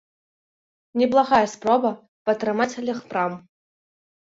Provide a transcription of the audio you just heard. Неблагая спроба падтрымаць легпрам.